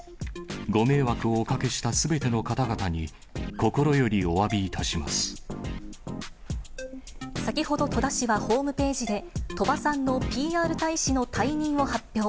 ご迷惑をおかけしたすべての方々に、先ほど、戸田市はホームページで、鳥羽さんのＰＲ大使の退任を発表。